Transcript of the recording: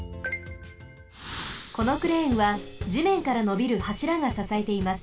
このクレーンはじめんからのびるはしらがささえています。